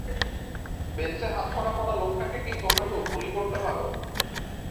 বেঞ্চে হাতকড়া পরা লোকটাকে কি তোমরা কেউ গুলি করতে পারো?